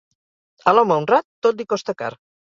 A l'home honrat, tot li costa car.